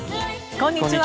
こんにちは。